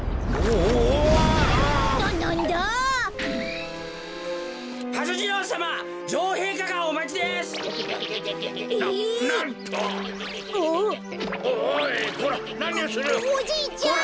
おおじいちゃん！